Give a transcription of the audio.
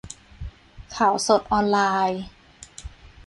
: ข่าวสดออนไลน์